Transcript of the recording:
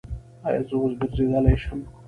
ایا زه اوس ګرځیدلی شم؟